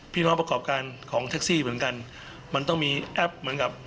พี่น้องประกอบการของแท็กซี่เหมือนกันมันต้องมีแอปเหมือนกับ